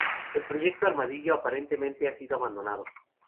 El proyecto Armadillo aparentemente ha sido abandonado.